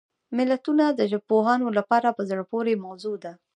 متلونه د ژبپوهانو لپاره په زړه پورې موضوع ده